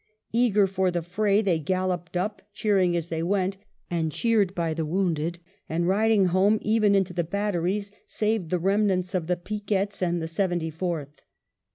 Eager for the fray they galloped up, cheering as they went and cheered by the wounded \ and riding home even into the batteries, saved the remnants of the picquets and the Seventy fourth.